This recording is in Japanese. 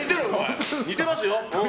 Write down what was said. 似てますよ！